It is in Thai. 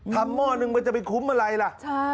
หม้อนึงมันจะไปคุ้มอะไรล่ะ